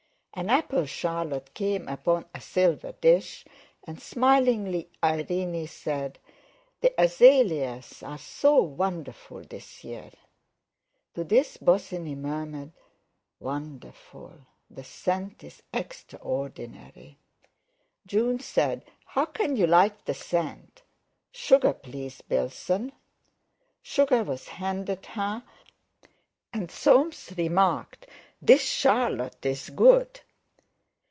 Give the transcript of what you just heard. An apple charlotte came upon a silver dish, and smilingly Irene said: "The azaleas are so wonderful this year!" To this Bosinney murmured: "Wonderful! The scent's extraordinary!" June said: "How can you like the scent? Sugar, please, Bilson." Sugar was handed her, and Soames remarked: "This charlotte's good!"